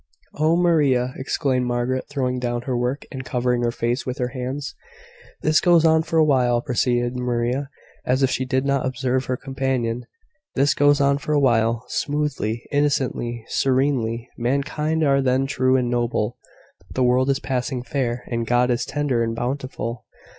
"Oh, Maria!" exclaimed Margaret, throwing down her work, and covering her face with her hands. "This goes on for a while," proceeded Maria, as if she did not observe her companion, "this goes on for a while, smoothly, innocently, serenely. Mankind are then true and noble, the world is passing fair, and God is tender and bountiful.